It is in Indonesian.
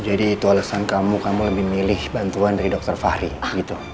jadi itu alasan kamu lebih memilih bantuan dari dokter fahri gitu